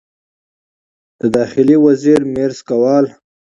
د داخلي وزیر میرزکوال